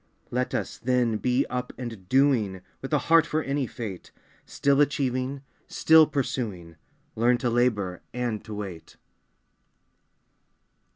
Let us, then, be up and doing, With a heart for any fate ; Still achieving, still pursuing, Learn to labor and to wait.